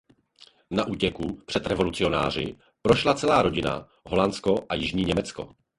Na útěku před revolucionáři prošla celá rodina Holandsko a jižní Německo.